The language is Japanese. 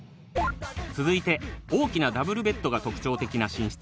続いて大きなダブルベッドが特徴的な寝室